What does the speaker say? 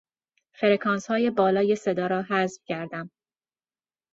فرکانسهای بالای صدا را حذف کردم.